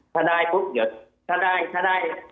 ถ้าได้ปุ๊บเดี๋ยวถ้าได้ถ้าได้